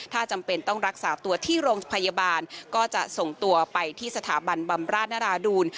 ถ้าจำเป็นต้องรักษาตัวที่โรงพยาบาลก็จะส่งตัวไปที่สถาบันบำราชนราดูล